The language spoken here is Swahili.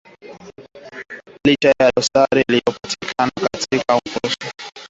licha ya dosari iliyotokea wakati wa kutangaza matokeo ya uchaguzi